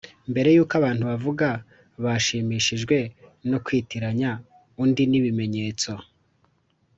“mbere yuko abantu bavuga, bashimishijwe no kwitiranya undi n'ibimenyetso